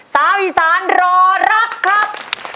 สาวอีสานรอรักครับ